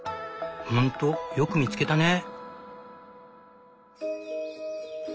ほんとよく見つけたね。